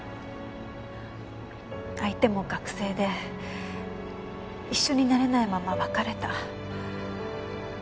相手も学生で一緒になれないまま別れた。